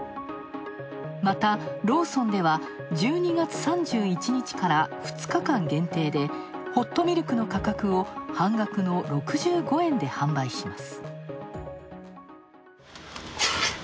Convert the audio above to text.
また、ローソンでは１２月３１日から２日間限定で、ホットミルクの価格を半額の６５円で販売します。